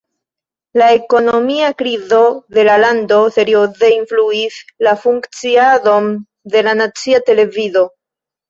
La ekonomia krizo de la lando serioze influis la funkciadon de la nacia televido.